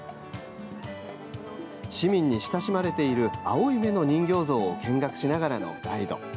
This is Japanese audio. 市民に親しまれている青い目の人形像を見学しながらのガイド。